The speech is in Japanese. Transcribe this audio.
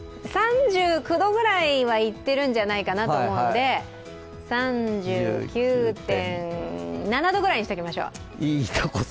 ３９度くらいは言ってるんじゃないかと思うので、３９．７度ぐらいにしておきましょう。